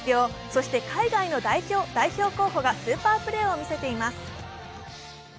そして海外の代表候補がスーパープレーを見せています。